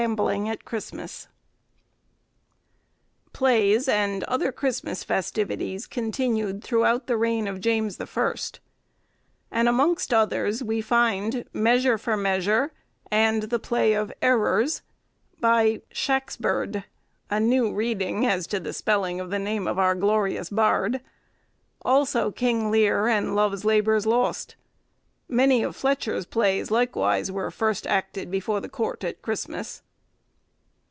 CHAPTER VI. PLAYS and other Christmas festivities continued throughout the reign of James the First; and amongst others we find 'Measure for Measure,' and the 'Plaie of Errors,' by Shaxberd—a new reading as to the spelling of the name of our glorious bard—also 'King Lear,' and 'Love's Labour's Lost.' Many of Fletcher's plays likewise were first acted before the court at Christmas.